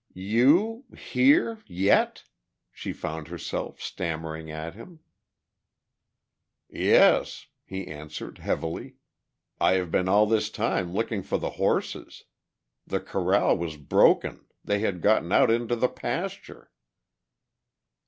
"You ... here? Yet?" she found herself stammering at him. "Yes," he answered heavily. "I have been all this time looking for the horses. The corral was broken; they had gotten out into the pasture."